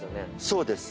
そうです。